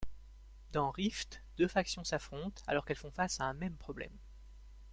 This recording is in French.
Dans Rift, deux factions s’affrontent alors qu’elles font face à un même problème.